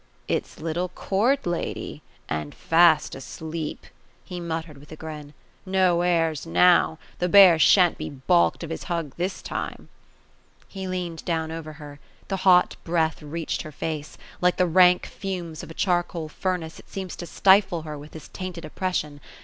" It's little court lady ! And fast asleep !" he muttered, with a grin. " No airs now I The bear shan't be balked of his hug, this time I" He leaned down over her. The hot breath reached her face ; like the rank fumes of a charcoal furnace, it seemed to stifle her with its tainted oppression.